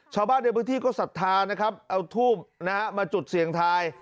ชาวบ้านเด็กที่ก็ศรัทธานะครับเอาทุ่มนะครับมาจุดเสียงทาย